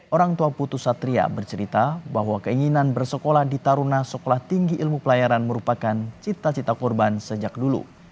orang tua putus satria bercerita bahwa keinginan bersekolah di taruna sekolah tinggi ilmu pelayaran merupakan cita cita korban sejak dulu